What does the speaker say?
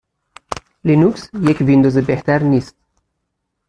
لینوکس یک ویندوز بهتر نیست.